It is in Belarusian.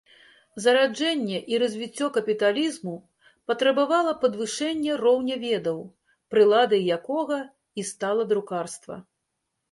Зараджэнне і развіццё капіталізму патрабавала падвышэння роўня ведаў, прыладай якога і стала друкарства.